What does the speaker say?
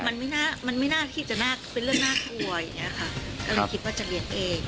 มันไม่น่าที่จะเป็นเรื่องน่ากลัวอย่างนี้ค่ะอะไรคิดว่าจะเลี้ยงเอง